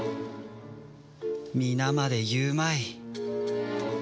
皆まで言うまい